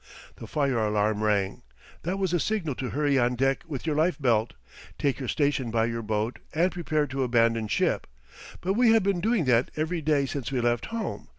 The fire alarm rang. That was the signal to hurry on deck with your life belt, take your station by your boat, and prepare to abandon ship. But we had been doing that every day since we left home.